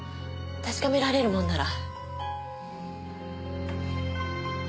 確かめられるもんなら。